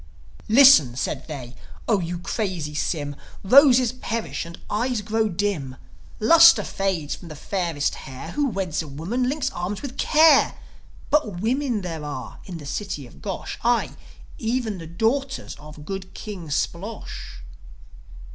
"Listen," said they, "O you crazy Sym. Roses perish, and eyes grow dim. Lustre fades from the fairest hair. Who weds a woman links arms with care. But women there are in the city of Gosh Ay, even the daughters of good King Splosh.